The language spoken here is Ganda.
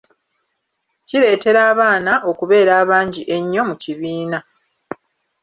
Kireetera abaana okubeera abangi ennyo mu kibiina.